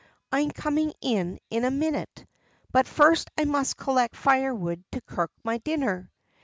I am coming in in a minute, but first I must collect firewood to cook my dinner."